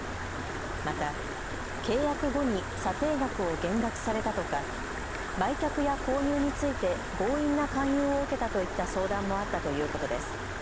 また契約後に査定額を減額されたとか売却や購入について強引な勧誘を受けたといった相談もあったということです。